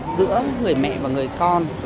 giữa người mẹ và người con